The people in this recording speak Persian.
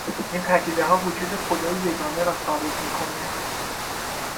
این پدیدهها وجود خدایی یگانه را ثابت می کند.